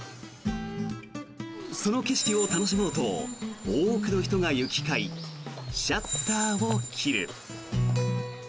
その景色を楽しもうと多くの人が行き交いシャッターを切る。